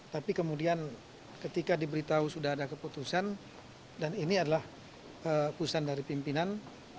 tapi kemudian ketika diberitahu sudah ada keputusan dan ini adalah keputusan dari pimpinan